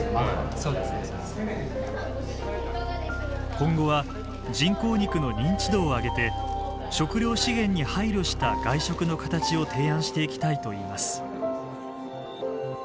今後は人工肉の認知度を上げて食料資源に配慮した外食の形を提案していきたいといいます。